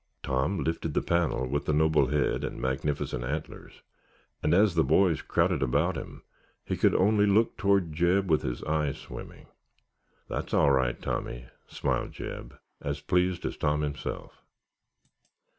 Tom lifted the panel with the noble head and magnificent antlers and as the boys crowded about him he could only look toward Jeb with his eyes swimming. "That's all right, Tommy," smiled Jeb, as pleased as Tom himself.